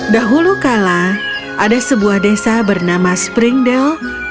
dahulu kala ada sebuah desa bernama springdel